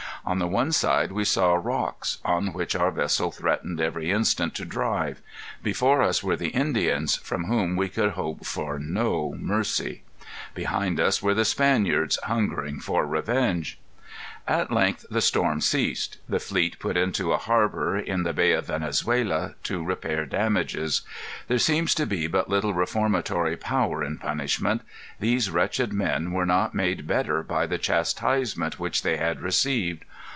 On the one side we saw rocks, on which our vessel threatened every instant to drive. Before us were the Indians, from whom we could hope for no mercy. Behind us were the Spaniards, hungering for revenge." At length the storm ceased. The fleet put into a harbor, in the Bay of Venezuela, to repair damages. There seems to be but little reformatory power in punishment. These wretched men were not made better by the chastisement which they had received.